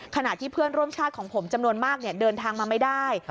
ขณะที่เพื่อนร่วมชาติของผมจำนวนมากเดินทางมาไม่ได้